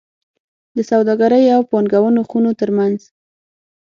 د سوداګرۍ او پانګونو خونو ترمنځ